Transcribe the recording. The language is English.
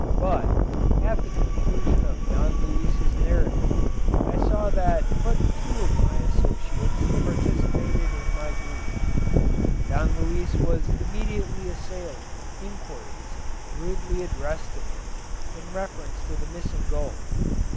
But, at the conclusion of Don Luis's narrative, I saw that but few of my associates participated in my grief. Don Luis was immediately assailed with inquiries rudely addressed to him in reference to the missing gold.